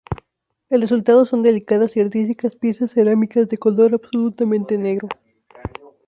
El resultado son delicadas y artísticas piezas cerámicas de color absolutamente negro.